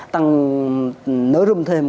tăng nới râm thêm